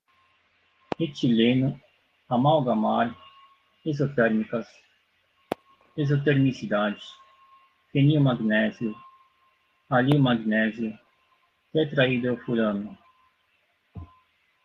etileno, amalgamar, exotérmicas, exotermicidade, fenilmagnésio, alilmagnésio, tetrahidrofurano